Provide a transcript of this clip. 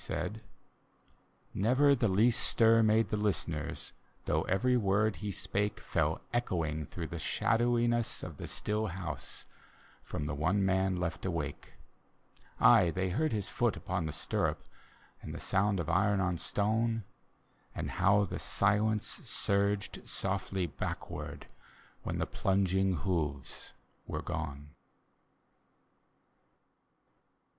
"9 D,gt,, erihyGOOgle The Haunted Hour Never the least stir made the listeners, Though every word he sp^e Fell echoing through the shadowiness of the BtHl house From the one man left awake: Aye, riiey heard his foot upon the stirnip, And the sound of iron on stone, And how the silence surged softly backward, When the plunging hoofs were gone.